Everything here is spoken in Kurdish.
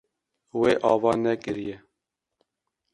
Wê ava nekiriye.